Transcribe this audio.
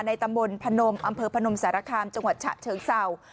ตำบลพนมอำเภอพนมสารคามจังหวัดฉะเชิงเศร้า